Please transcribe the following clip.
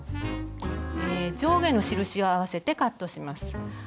上下の印を合わせてカットします。